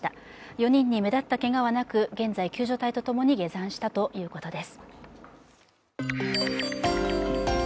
４人に目立ったけがはなく、現在救助隊とともに下山したということです。